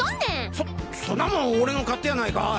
そそんなもん俺の勝手やないかい。